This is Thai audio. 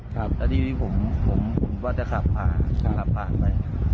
แล้วทีนี้ผมว่าจะขับผ่านไป